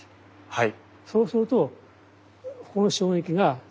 はい。